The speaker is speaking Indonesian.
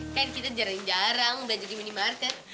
kan kita jarang jarang belanja di minimarket